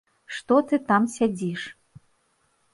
Што ты там сядзіш?